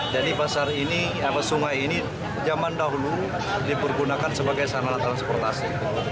jadi pasar ini sungai ini zaman dahulu dipergunakan sebagai sarana transportasi